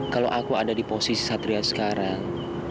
kalau aku ada di posisi satria sekarang